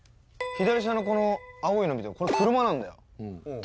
左下の青いの見てこれ車なんだよ